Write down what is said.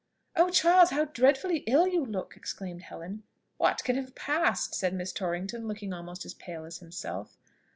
"Oh! Charles, how dreadfully ill you look!" exclaimed Helen. "What can have passed?" said Miss Torrington, looking almost as pale himself.